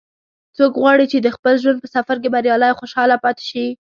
څوک غواړي چې د خپل ژوند په سفر کې بریالی او خوشحاله پاتې شي